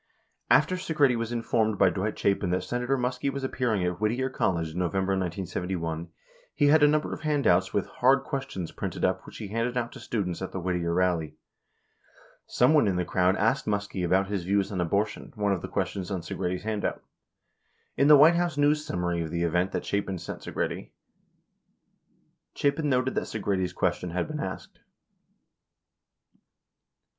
— After Segretti was informed by Dwight Chapin that Senator Muskie was appearing at Whittier College in November 1971 he had a number of handouts with "hard questions" printed up which he handed out to students at the Whittier rally. 60 Someone in the crowd asked Muskie about his views on abortion, one of the ques tions on Segretti's handout. In the White House news summary of the event that Chapin sent Segretti. Chapin noted that Segretti's ques tion had been asked.